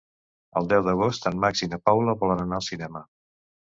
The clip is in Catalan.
El deu d'agost en Max i na Paula volen anar al cinema.